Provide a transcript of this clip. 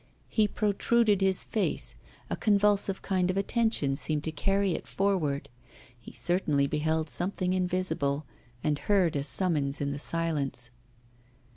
He protruded his face, a convulsive kind of attention seemed to carry it forward; he certainly beheld something invisible, and heard a summons in the silence.